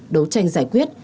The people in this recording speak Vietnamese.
đấu tranh giải quyết